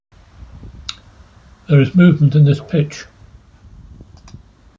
There is movement in this pitch.